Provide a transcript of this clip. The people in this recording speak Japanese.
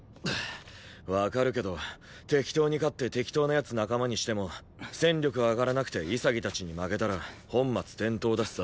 わかるけど適当に勝って適当な奴仲間にしても戦力上がらなくて潔たちに負けたら本末転倒だしさ。